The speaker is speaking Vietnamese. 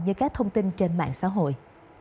như các thông tin trên mạng xã hội